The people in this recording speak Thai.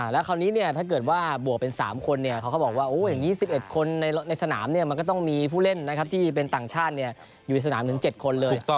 แล้วคราวนี้ถ้าเกิดว่าบวกเป็น๓คนเขาก็บอกว่าอย่างนี้๑๑คนในสนามมันก็ต้องมีผู้เล่นนะครับที่เป็นต่างชาติอยู่ในสนามถึง๗คนเลย